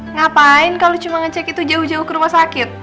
ngapain kalau cuma ngecek itu jauh jauh ke rumah sakit